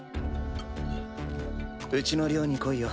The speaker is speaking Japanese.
うちの寮に来いよ。